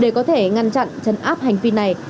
để có thể ngăn chặn chấn áp hành vi này